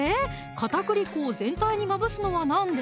片栗粉を全体にまぶすのはなんで？